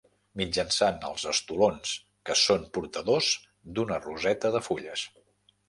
Mitjançant els estolons que són portadors d'una roseta de fulles.